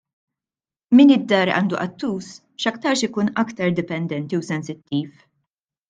Min id-dar għandu qattus, x'aktarx ikun aktar dipendenti u sensittiv.